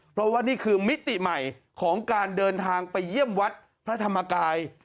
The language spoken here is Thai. เพราะว่านี่คือมิติใหม่ของการเดินทางไปเยี่ยมวัดพระธรรมกาย